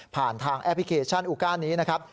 ผ่านทางแอปพลิเคชันอูก้านี้นะครับ